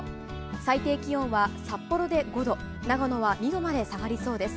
最低気温は札幌で５度長野は２度まで下がりそうです。